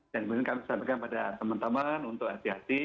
dan kemudian kami sampaikan kepada teman teman untuk hati hati